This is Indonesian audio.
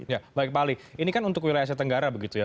ya baik pak ali ini kan untuk wilayah asia tenggara begitu ya